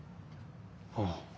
ああ。